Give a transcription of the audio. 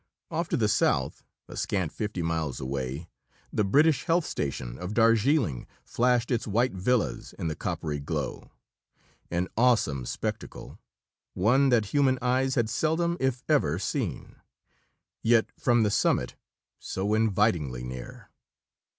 Off to the south, a scant fifty miles away, the British health station of Darjeeling flashed its white villas in the coppery glow. An awesome spectacle! one that human eyes had seldom if ever seen. Yet from the summit, so invitingly near!...